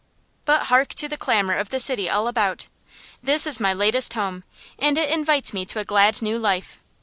But hark to the clamor of the city all about! This is my latest home, and it invites me to a glad new life.